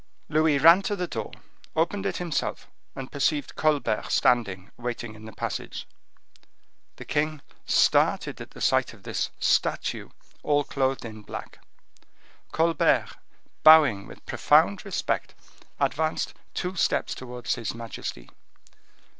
Louis ran to the door, opened it himself, and perceived Colbert standing waiting in the passage. The king started at sight of this statue, all clothed in black. Colbert, bowing with profound respect, advanced two steps towards his majesty.